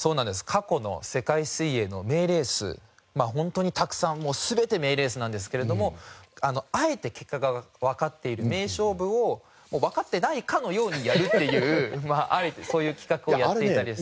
過去の世界水泳の名レースホントにたくさんもう全て名レースなんですけれどもあえて結果がわかっている名勝負をわかってないかのようにやるというあえてそういう企画をやっていたりですとか。